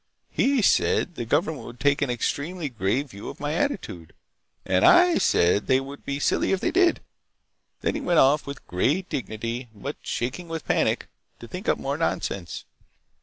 He said the government would take an extremely grave view of my attitude, and I said they would be silly if they did. Then he went off with great dignity—but shaking with panic—to think up more nonsense."